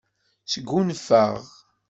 Sgunfaɣ.